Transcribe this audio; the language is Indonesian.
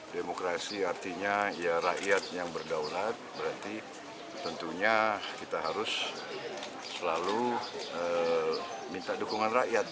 demokrasi artinya ya rakyat yang berdaulat berarti tentunya kita harus selalu minta dukungan rakyat